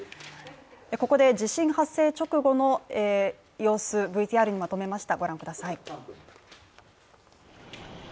ここで地震発生直後の様子ＶＴＲにまとめました。